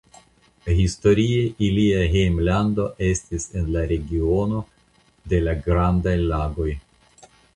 Historie ilia hejmlando estis en la regiono de la Grandaj Lagoj.